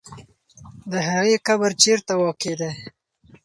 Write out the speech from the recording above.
د هغې قبر چېرته واقع دی؟